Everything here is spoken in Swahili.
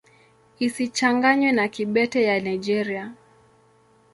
Isichanganywe na Kibete ya Nigeria.